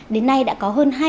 đến nay đã có hơn